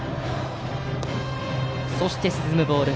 そして、沈むボール。